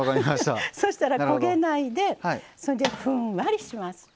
そしたら、焦げないでふんわりします。